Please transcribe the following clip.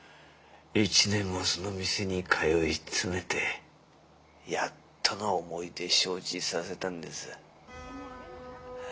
１年もその店に通い詰めてやっとの思いで承知させたんです。